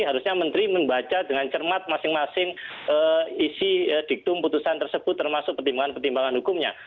harusnya menteri membaca dengan cermat masing masing isi diktum putusan tersebut termasuk pertimbangan pertimbangan hukumnya